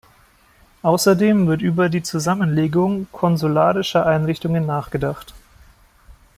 Außerdem wird über die Zusammenlegung konsularischer Einrichtungen nachgedacht.